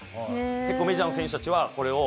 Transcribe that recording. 結構、メジャーの選手たちはこれを。